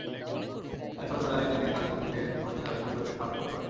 তাই ছোটবেলায়ই তাকে কাজে যোগ দিতে হয়েছে যাতে পরিবারকে সাহায্য করতে পারেন।